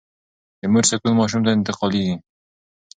د مور سکون ماشوم ته انتقالېږي.